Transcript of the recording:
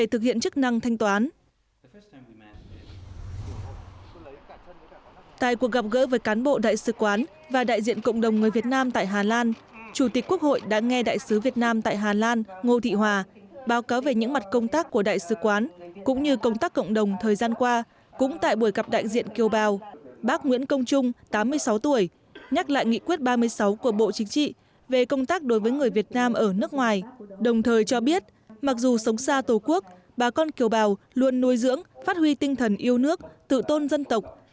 tại cuộc gặp gỡ với cán bộ đại sứ quán và đại diện cộng đồng người việt nam tại hà lan chủ tịch quốc hội đã nghe đại sứ việt nam tại hà lan ngô thị hòa báo cáo về những mặt công tác của đại sứ quán cũng như công tác cộng đồng thời gian qua cũng tại buổi gặp đại diện kiều bào bác nguyễn công trung tám mươi sáu tuổi nhắc lại nghị quyết ba mươi sáu của bộ chính trị về công tác đối với người việt nam ở nước ngoài đồng thời cho biết mặc dù sống xa tổ quốc bà con kiều bào luôn nuôi dưỡng phát huy tinh thần yêu nước tự tôn dân tộc